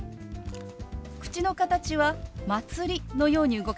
口の形は「まつり」のように動かします。